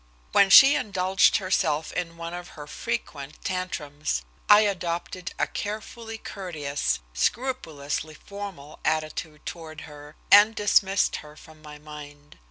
When she indulged herself in one of her frequent "tantrums" I adopted a carefully courteous, scrupulously formal attitude toward her, and dismissed her from my mind.